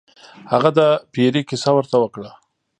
هغه د پیري کیسه ورته وکړه.